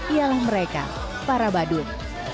ialah mereka para badut